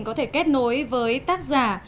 có thể kết nối với tác giả